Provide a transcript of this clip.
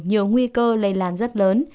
nhiều nguy cơ lây lan rất lớn